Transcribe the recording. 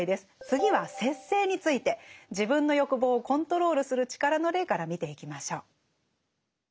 次は「節制」について自分の欲望をコントロールする力の例から見ていきましょう。